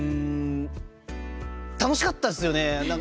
楽しかったですよね。